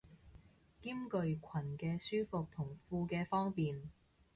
兼具裙嘅舒服同褲嘅方便